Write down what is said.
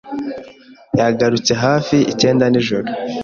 Yagarutse hafi icyenda nijoro.